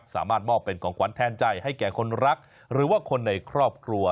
สามารถมอบเป็นของขวัญแทนใจให้แก่คนรักหรือว่าคนในครอบครัว